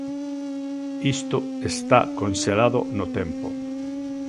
Isto está conxelado no tempo.